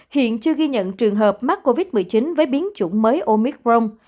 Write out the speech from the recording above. hiện chưa ghi nhận trường hợp mắc covid một mươi chín với biến chủng mới omicron